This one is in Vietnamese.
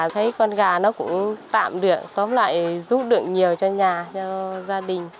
thấy con gà nó cũng tạm được tóm lại giúp được nhiều cho nhà cho gia đình